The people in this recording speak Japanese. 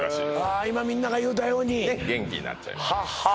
今みんなが言うたようにねっ元気になっちゃうははあ